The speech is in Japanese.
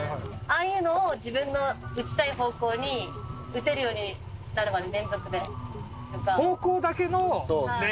ああいうのを自分の打ちたい方向に打てるようになるまで連続で。